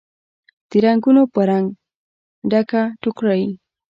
د رنګونوپه رنګ، ډکه ټوکرۍ